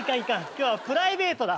今日はプライベートだ。